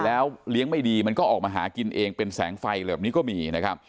แล้วเลี้ยงไม่ดีมันก็ออกมาหากินเองเป็นแสงไฟแบบนี้ก็มีนะครับ